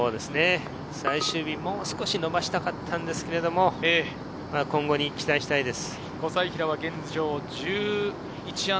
最終日、もう少し伸ばしたかったんですが、今後に期待したいです。